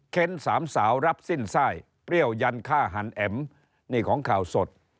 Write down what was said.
เค้นสามสาวรับสิ้นสายเปรี้ยวยันฆ่าฮั่นแอมเป้นของข่าวสด